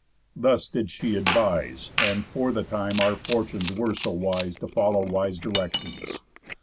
Thus did she advise And, for the time, our fortunes were so wise To follow wise directions.